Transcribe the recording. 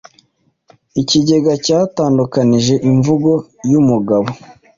Ikigega cyatandukanije imvugo yumugabo